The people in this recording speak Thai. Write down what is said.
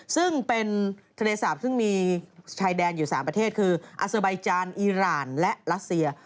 ซึ่งเป็นทะเลสาปซึ่งมีชายแดนอยู่๓ประเทศคืออาเซอร์ไบจานอีรานและรัสเซีย